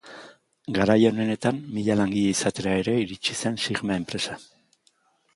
Garai onenetan mila langile izatera ere iritsi zen sigma empresa.